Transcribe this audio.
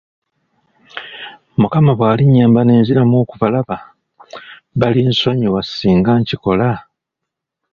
Mukama bw'alinnyamba ne nziramu okubalaba, balinsonyiwa singa nkikola?